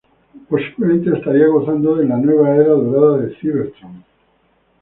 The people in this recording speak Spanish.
Posiblemente estaría gozando de la nueva era dorada de Cybertron.